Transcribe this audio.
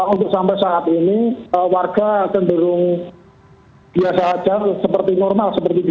untuk sampai saat ini warga akan turun biasa saja seperti normal